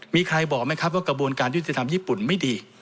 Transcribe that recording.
มีใครบอกไหมครับว่ากระบวนการยุติธรรมญี่ปุ่นไม่ดี